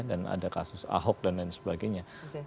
dan ada kasus ahok dan lain sebagainya